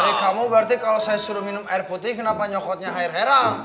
dari kamu berarti kalau saya suruh minum air putih kenapa nyokotnya air hera